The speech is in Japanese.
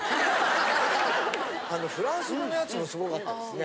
あのフランス語のやつもすごかったですね。